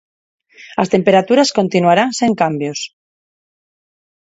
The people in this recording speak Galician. As temperaturas continuarán sen cambios.